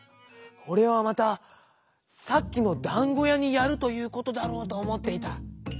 おれはまたさっきのだんごやにやるということだろうとおもっていた。